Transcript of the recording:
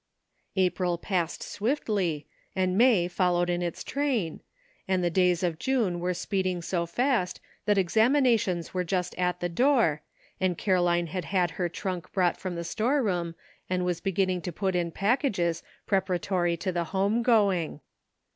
April passed swiftly, and May followed in its train, and the days of June were speeding so fast that examinations were just at the door, and Caroline had had her trunk brought from the storeroom, and was beginning to put in packages preparatory to the home going.